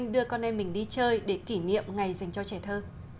để kỷ niệm ngày dành cho trẻ thơ